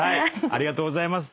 ありがとうございます。